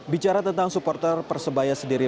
bicara tentang supporter persebaya sendiri